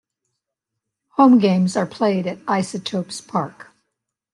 Home games are played at Isotopes Park.